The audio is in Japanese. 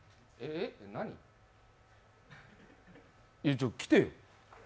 ちょっと、来てよ。